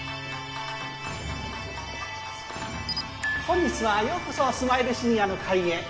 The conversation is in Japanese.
本日はようこそスマイルシニアの会へ。